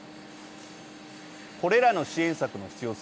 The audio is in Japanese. これらの支援策の必要性